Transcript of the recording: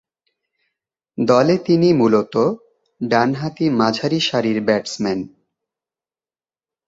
দলে তিনি মূলতঃ ডানহাতি মাঝারি সারির ব্যাটসম্যান।